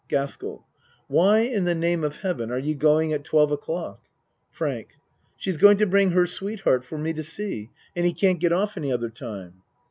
GASKELL Why in the name of heaven are you going at 12 o'clock? FRANK She is going to bring her sweetheart for me to see and he can't get off any other time.